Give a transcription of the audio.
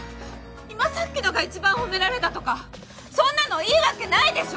今さっきのが一番褒められたとかそんなのいいわけないでしょ！